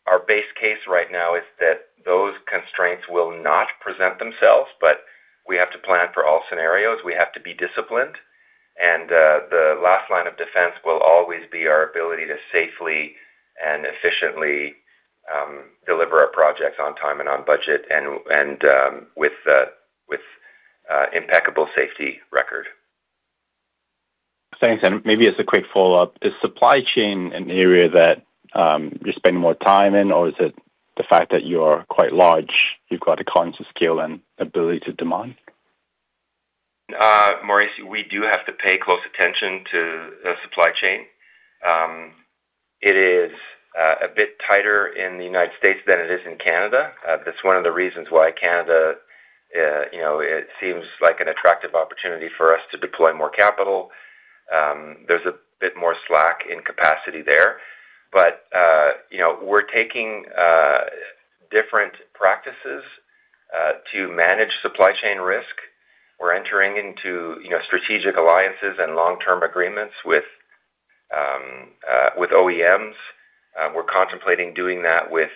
Our base case right now is that those constraints will not present themselves, but we have to plan for all scenarios. We have to be disciplined, the last line of defense will always be our ability to safely and efficiently deliver our projects on time and on budget with impeccable safety record. Thanks. Maybe as a quick follow-up, is supply chain an area that, you're spending more time in, or is it the fact that you are quite large, you've got a conscious skill and ability to demand? Maurice, we do have to pay close attention to the supply chain. It is a bit tighter in the U.S. than it is in Canada. That's one of the reasons why Canada, you know, it seems like an attractive opportunity for us to deploy more capital. There's a bit more slack in capacity there. You know, we're taking different practices to manage supply chain risk. We're entering into, you know, strategic alliances and long-term agreements with OEMs. We're contemplating doing that with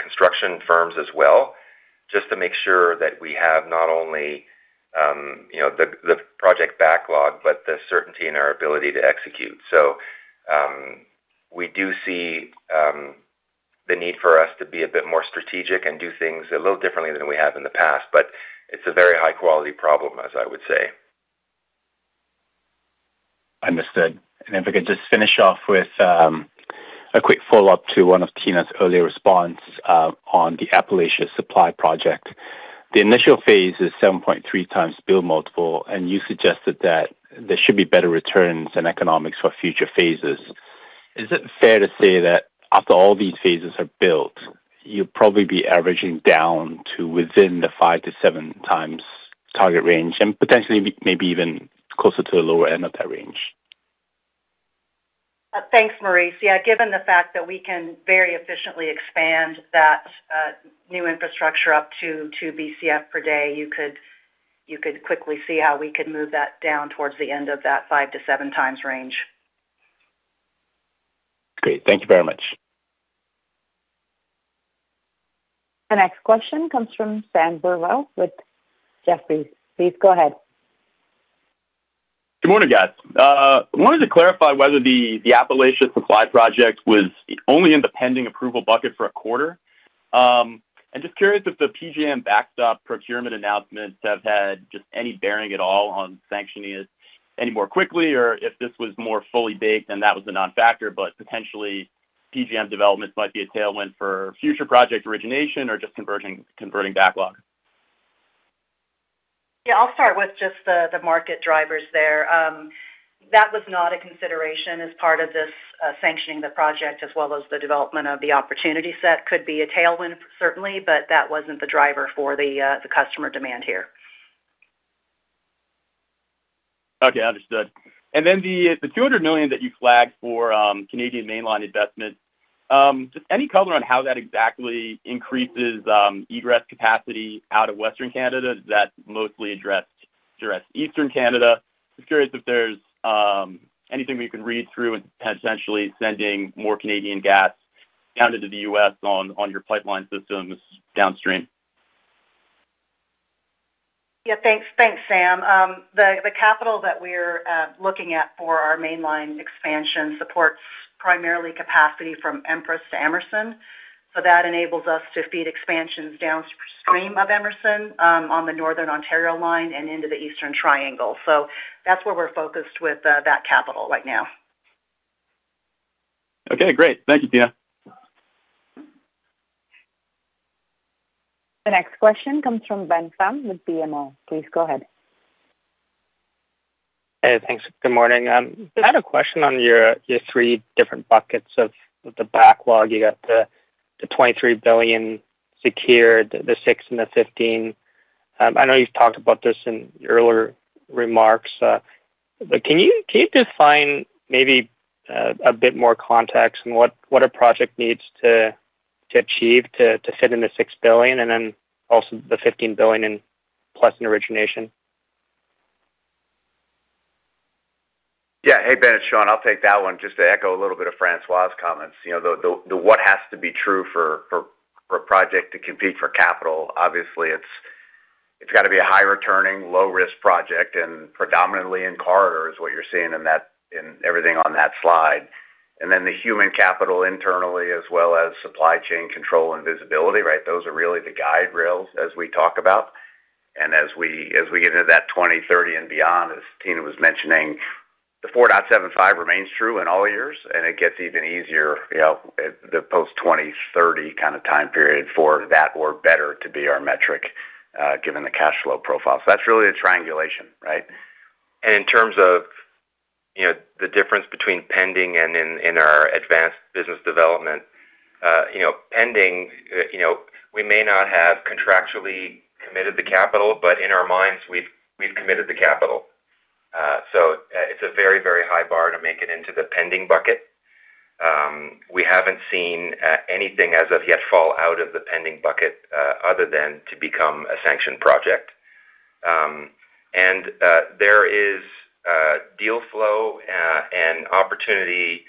construction firms as well, just to make sure that we have not only, you know, the project backlog, but the certainty in our ability to execute. We do see the need for us to be a bit more strategic and do things a little differently than we have in the past, but it's a very high-quality problem, as I would say. Understood. If I could just finish off with, a quick follow-up to one of Tina's earlier response, on the Appalachia Supply Project. The initial phase is 7.3x build multiple, and you suggested that there should be better returns and economics for future phases. Is it fair to say that after all these phases are built, you'll probably be averaging down to within the 5x-7x target range and potentially maybe even closer to the lower end of that range? Thanks, Maurice. Yeah, given the fact that we can very efficiently expand that new infrastructure up to 2 Bcf per day, you could quickly see how we could move that down towards the end of that 5x-7x range. Great. Thank you very much. The next question comes from Sam Burwell with Jefferies. Please go ahead. Good morning, guys. Wanted to clarify whether the Appalachia Supply Project was only in the pending approval bucket for a quarter. Just curious if the PJM backstop procurement announcements have had just any bearing at all on sanctioning it any more quickly or if this was more fully baked and that was a non-factor, potentially PJM developments might be a tailwind for future project origination or just converting backlog? Yeah, I'll start with just the market drivers there. That was not a consideration as part of this sanctioning the project as well as the development of the opportunity set could be a tailwind, certainly, but that wasn't the driver for the customer demand here. Okay, understood. The 200 million that you flagged for Canadian Mainline investment, just any color on how that exactly increases egress capacity out of Western Canada that mostly address Eastern Canada. Just curious if there's anything we can read through and potentially sending more Canadian gas down into the U.S. on your pipeline systems downstream? Yeah, thanks. Thanks, Sam. The capital that we're looking at for our Mainline expansion supports primarily capacity from Empress to Emerson. That enables us to feed expansions downstream of Emerson on the northern Ontario line and into the eastern triangle. That's where we're focused with that capital right now. Okay, great. Thank you, Tina. The next question comes from Ben Pham with BMO. Please go ahead. Hey, thanks. Good morning. I had a question on your three different buckets of the backlog. You got the 23 billion secured, the 6 billion and the 15 billion. I know you've talked about this in your earlier remarks. Can you define maybe a bit more context on what a project needs to achieve to fit in the 6 billion and then also the 15 billion in plus in origination? Hey, Ben Pham, it's Sean O'Donnell. I'll take that one. Just to echo a little bit of François Poirier's comments. You know, the what has to be true for a project to compete for capital. Obviously, it's got to be a high returning, low risk project and predominantly in-corridor is what you're seeing in everything on that slide. The human capital internally as well as supply chain control and visibility, right? Those are really the guide rails as we talk about. As we get into that 2030 and beyond, as Tina Faraca was mentioning, the 4.75x remains true in all years, and it gets even easier, you know, at the post 2030 kind of time period for that or better to be our metric given the cash flow profile. That's really the triangulation, right? In terms of, you know, the difference between pending and in our advanced business development, you know, pending, you know, we may not have contractually committed the capital, but in our minds, we've committed the capital. It's a very, very high bar to make it into the pending bucket. We haven't seen anything as of yet fall out of the pending bucket other than to become a sanctioned project. There is deal flow and opportunity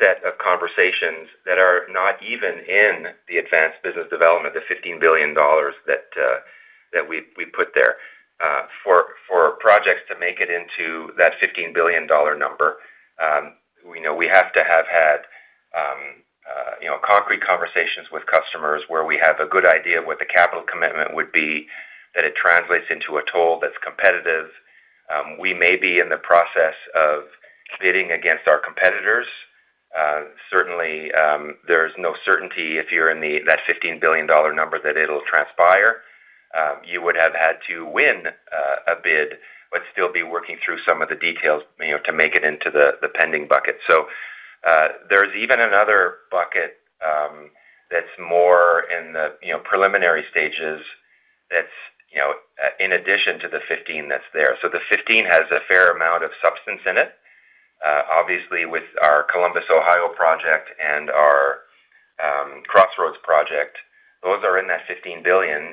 set of conversations that are not even in the advanced business development, the 15 billion dollars that we put there. For projects to make it into that 15 billion dollar number, we know we have to have had, you know, concrete conversations with customers where we have a good idea of what the capital commitment would be, that it translates into a toll that's competitive. We may be in the process of bidding against our competitors. Certainly, there's no certainty if you're in that 15 billion dollar number that it will transpire. You would have had to win a bid, but still be working through some of the details, you know, to make it into the pending bucket. There's even another bucket that's more in the, you know, preliminary stages that's, you know, in addition to the 15 billion that's there. The 15 billion has a fair amount of substance in it. Obviously with our Columbus, Ohio project and our Crossroads project, those are in that 15 billion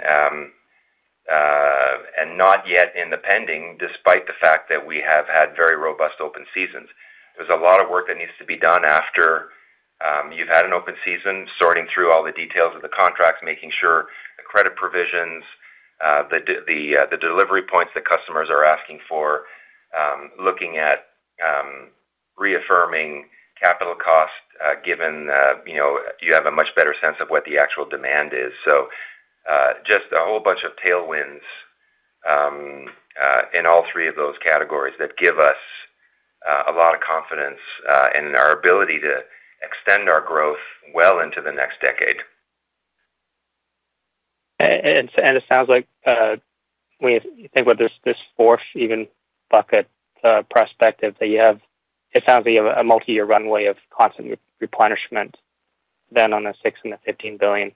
and not yet in the pending, despite the fact that we have had very robust open seasons. There's a lot of work that needs to be done after you've had an open season, sorting through all the details of the contracts, making sure the credit provisions, the delivery points that customers are asking for, looking at reaffirming capital costs, given, you know, you have a much better sense of what the actual demand is. Just a whole bunch of tailwinds in all three of those categories that give us a lot of confidence in our ability to extend our growth well into the next decade. It sounds like, when you think about this fourth even bucket, perspective that you have, it sounds like you have a multi-year runway of constant replenishment than on the 6 billion and the 15 billion.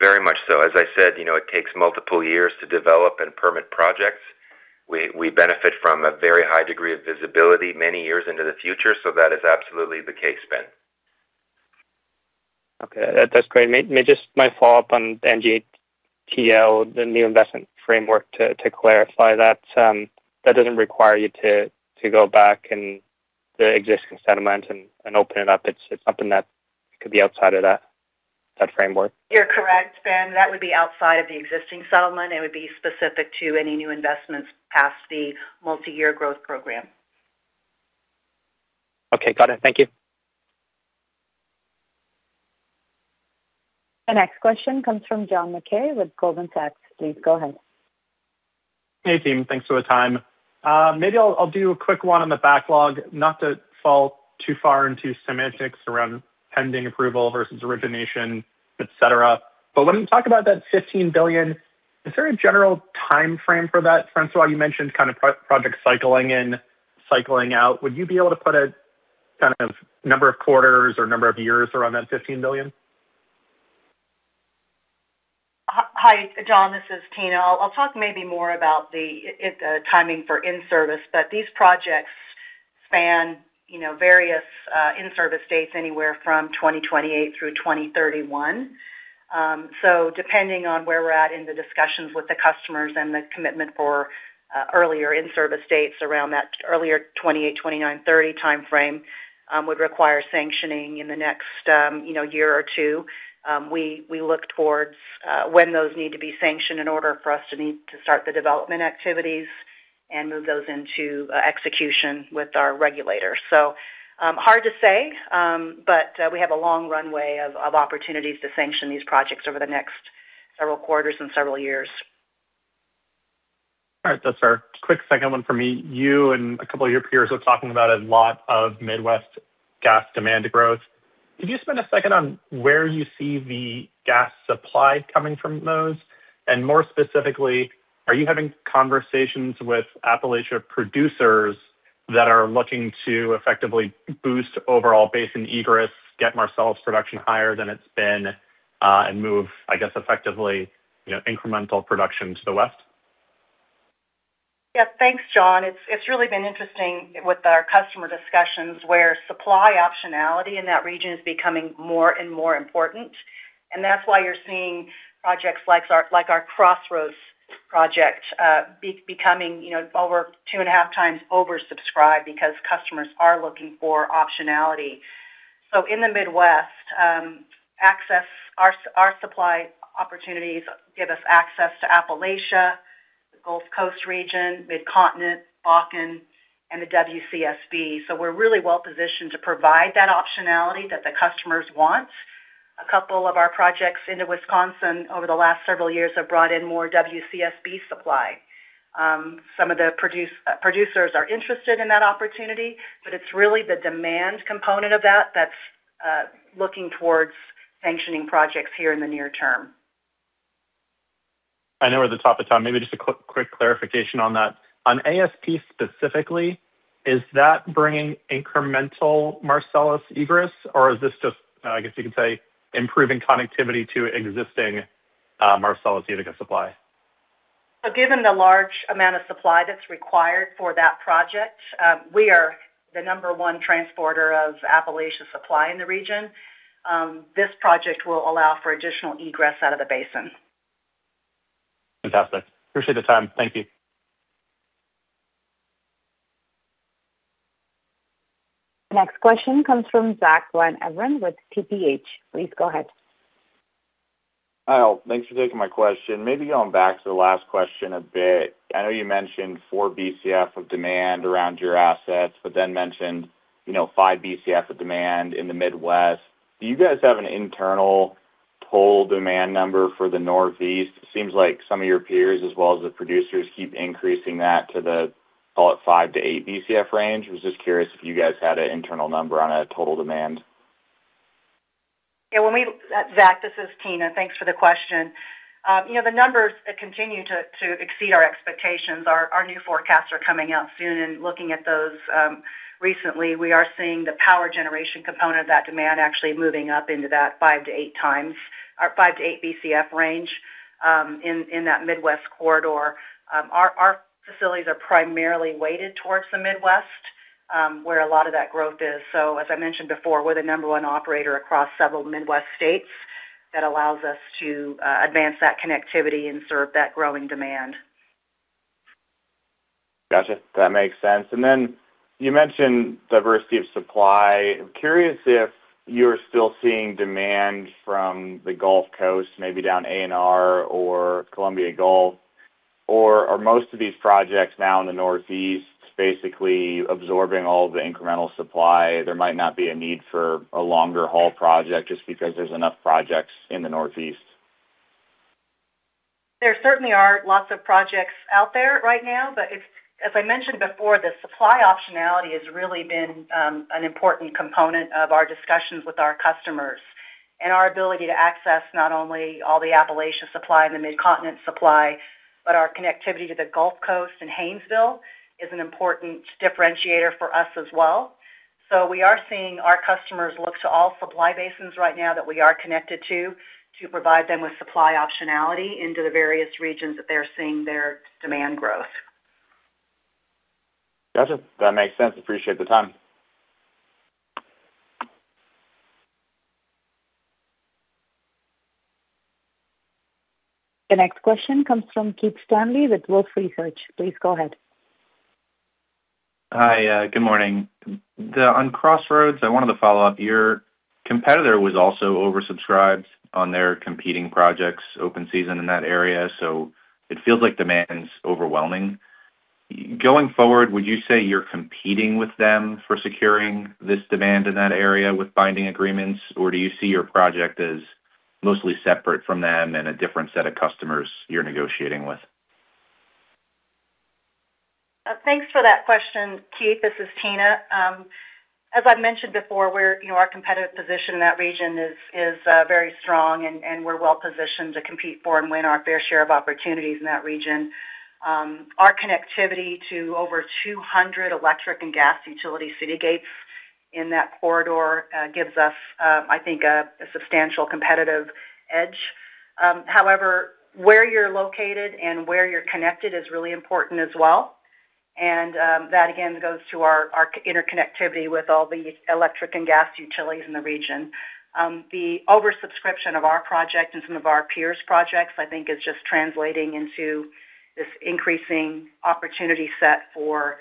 Very much so. As I said, you know, it takes multiple years to develop and permit projects. We benefit from a very high degree of visibility many years into the future. That is absolutely the case, Ben. Okay. That's great. Just my follow-up on NGTL, the new investment framework to clarify that doesn't require you to go back and the existing settlement and open it up? It's something that could be outside of that framework. You're correct, Ben. That would be outside of the existing settlement. It would be specific to any new investments past the Multi-Year Growth Plan. Okay. Got it. Thank you. The next question comes from John Mackay with Goldman Sachs. Please go ahead. Hey, team. Thanks for the time. Maybe I'll do a quick one on the backlog. Not to fall too far into semantics around pending approval versus origination, et cetera, but when you talk about that 15 billion, is there a general timeframe for that? François, you mentioned kind of pro-project cycling in, cycling out. Would you be able to put a kind of number of quarters or number of years around that 15 billion? Hi, John. This is Tina. I'll talk maybe more about the timing for in-service. These projects span, you know, various in-service dates anywhere from 2028 through 2031. Depending on where we're at in the discussions with the customers and the commitment for earlier in-service dates around that earlier 2028, 2029, 2030 timeframe, would require sanctioning in the next, you know, year or two. We look towards when those need to be sanctioned in order for us to need to start the development activities and move those into execution with our regulators. Hard to say, we have a long runway of opportunities to sanction these projects over the next several quarters and several years. All right. That's fair. Quick second one from me. You and a couple of your peers were talking about a lot of Midwest gas demand growth. Could you spend a second on where you see the gas supply coming from those? More specifically, are you having conversations with Appalachia producers that are looking to effectively boost overall basin egress, get Marcellus production higher than it's been, and move, I guess effectively, incremental production to the west? Thanks, John. It's really been interesting with our customer discussions where supply optionality in that region is becoming more and more important. That's why you're seeing projects like our Crossroads project becoming, you know, over 2.5x oversubscribed because customers are looking for optionality. In the Midwest, our supply opportunities give us access to Appalachia, the Gulf Coast region, Midcontinent, Bakken, and the WCSB. We're really well-positioned to provide that optionality that the customers want. A couple of our projects into Wisconsin over the last several years have brought in more WCSB supply. Some of the producers are interested in that opportunity, but it's really the demand component of that that's looking towards sanctioning projects here in the near term. I know we're at the top of time. Maybe just a quick clarification on that. On ASP specifically, is that bringing incremental Marcellus egress, or is this just, I guess you could say, improving connectivity to existing, Marcellus egress supply? Given the large amount of supply that's required for that project, we are the number one transporter of Appalachia Supply in the region. This project will allow for additional egress out of the basin. Fantastic. Appreciate the time. Thank you. Next question comes from Zack Van Everen with TPH. Please go ahead. Hi all. Thanks for taking my question. Maybe going back to the last question a bit. I know you mentioned 4 Bcf of demand around your assets, but then mentioned 5 Bcf of demand in the Midwest. Do you guys have an internal total demand number for the Northeast? It seems like some of your peers as well as the producers keep increasing that to the, call it 5 Bcf-8 Bcf range. I was just curious if you guys had an internal number on a total demand. Yeah. Zack, this is Tina. Thanks for the question. you know, the numbers continue to exceed our expectations. Our new forecasts are coming out soon, and looking at those recently, we are seeing the power generation component of that demand actually moving up into that 5 Bcf-8 Bcf range in that Midwest corridor. Our facilities are primarily weighted towards the Midwest, where a lot of that growth is. As I mentioned before, we're the number one operator across several Midwest states. That allows us to advance that connectivity and serve that growing demand. Gotcha. That makes sense. Then you mentioned diversity of supply. I'm curious if you're still seeing demand from the Gulf Coast, maybe down ANR or Columbia Gulf, or are most of these projects now in the Northeast basically absorbing all the incremental supply? There might not be a need for a longer haul project just because there's enough projects in the Northeast. There certainly are lots of projects out there right now, but if as I mentioned before, the supply optionality has really been an important component of our discussions with our customers and our ability to access not only all the Appalachia Supply and the Midcontinent supply, but our connectivity to the Gulf Coast in Haynesville is an important differentiator for us as well. We are seeing our customers look to all supply basins right now that we are connected to provide them with supply optionality into the various regions that they're seeing their demand growth. Gotcha. That makes sense. Appreciate the time. The next question comes from Keith Stanley with Wolfe Research. Please go ahead. Hi, good morning. On Crossroads, I wanted to follow up. Your competitor was also oversubscribed on their competing projects open season in that area, so it feels like demand's overwhelming. Going forward, would you say you're competing with them for securing this demand in that area with binding agreements, or do you see your project as mostly separate from them and a different set of customers you're negotiating with? Thanks for that question, Keith. This is Tina. As I've mentioned before, we're, you know, our competitive position in that region is very strong and we're well positioned to compete for and win our fair share of opportunities in that region. Our connectivity to over 200 electric and gas utility city gates in that corridor, gives us, I think a substantial competitive edge. However, where you're located and where you're connected is really important as well. That again goes to our interconnectivity with all the electric and gas utilities in the region. The oversubscription of our project and some of our peers' projects, I think is just translating into this increasing opportunity set for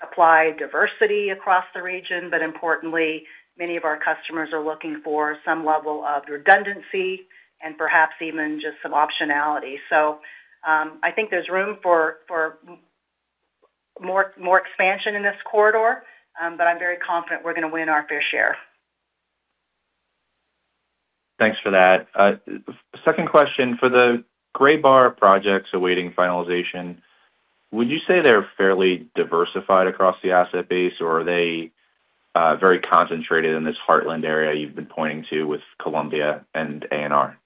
supply diversity across the region. Importantly, many of our customers are looking for some level of redundancy and perhaps even just some optionality. I think there's room for more expansion in this corridor, but I'm very confident we're gonna win our fair share. Thanks for that. Second question. For the gray bar projects awaiting finalization, would you say they're fairly diversified across the asset base, or are they very concentrated in this Heartland area you've been pointing to with Columbia and ANR?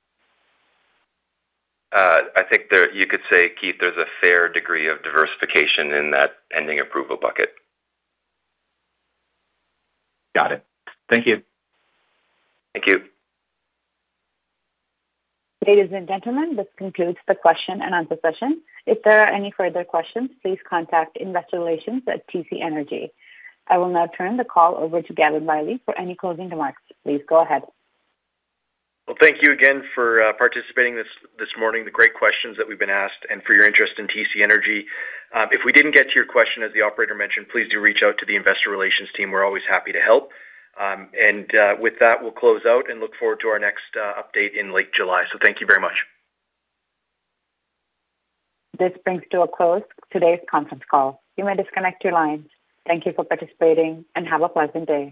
I think you could say, Keith, there's a fair degree of diversification in that pending approval bucket. Got it. Thank you. Thank you. Ladies and gentlemen, this concludes the question and answer session. If there are any further questions, please contact Investor Relations at TC Energy. I will now turn the call over to Gavin Wylie for any closing remarks. Please go ahead. Well, thank you again for participating this morning, the great questions that we've been asked and for your interest in TC Energy. If we didn't get to your question, as the operator mentioned, please do reach out to the investor relations team. We're always happy to help. With that, we'll close out and look forward to our next update in late July. Thank you very much. This brings to a close today's conference call. You may disconnect your lines. Thank you for participating, and have a pleasant day.